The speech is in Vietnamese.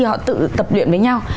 họ tự tập luyện với nhau